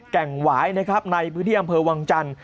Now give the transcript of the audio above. แก่งหวายนะครับในพื้นที่อำเภอวังจันทร์